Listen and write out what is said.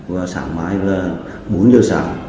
và sáng mai là bốn giờ sáng